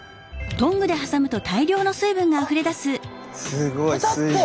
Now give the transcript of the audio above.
すごい水分。